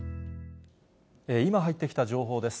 今入ってきた情報です。